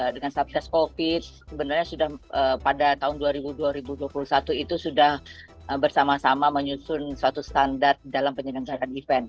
dengan satgas covid sebenarnya sudah pada tahun dua ribu dua puluh satu itu sudah bersama sama menyusun suatu standar dalam penyelenggaraan event